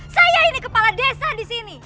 saya ini kepala desa di sini